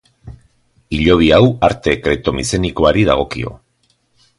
Hilobi hau, arte kreto-mizenikoari dagokio.